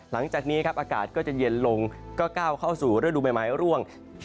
หลังจากนี้ครับอากาศก็จะเย็นลงก็ก้าวเข้าสู่ฤดูใบไม้ร่วง